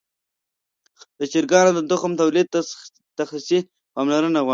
د چرګانو د تخم تولید تخصصي پاملرنه غواړي.